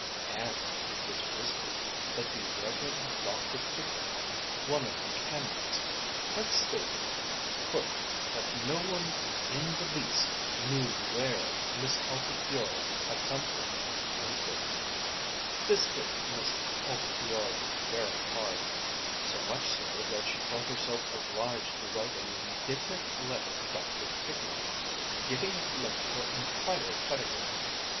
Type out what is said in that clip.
And it was whispered that the Reverend Dr. Pigrum, one of the canons, had stated "that no one in the least knew where Miss Altifiorla had come from." This hit Miss Altifiorla very hard, so much so, that she felt herself obliged to write an indignant letter to Dr. Pigrum, giving at length her entire pedigree.